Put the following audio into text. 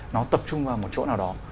nó tập trung vào một chỗ nào đó